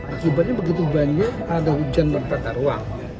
akibatnya begitu banyak ada hujan bertata ruang